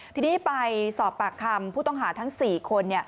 ทีนี้ไปสอบปากคำผู้ต้องหาทั้ง๔คน